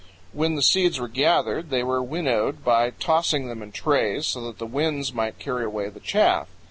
When the seeds were gathered they were winnowed by tossing them in trays so that the winds might carry away the chaff.